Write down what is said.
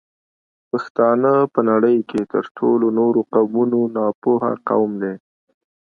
پښتانه په نړۍ کې تر ټولو نورو قومونو ناپوه قوم دی